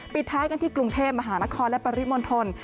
ปิดท้ายกันที่กรุงเทพมหานครและปริมณฑล